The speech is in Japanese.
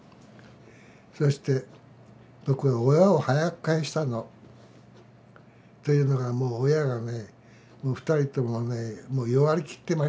そして僕は親を早く帰したの。というのがもう親がね２人ともね弱りきってましたから。